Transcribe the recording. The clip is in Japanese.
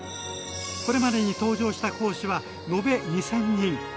これまでに登場した講師は延べ２，０００人！